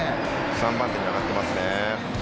３番手に上がってますね。